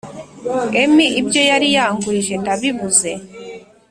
emi ibyo yari yangurije ndabibuze